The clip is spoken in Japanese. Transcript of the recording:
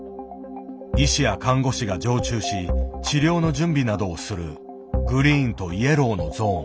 医師や看護師が常駐し治療の準備などをするグリーンとイエローのゾーン。